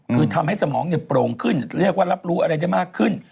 คือทำให้สมองโปร่งขึ้นเรียกว่ารับรู้อะไรได้มากขึ้น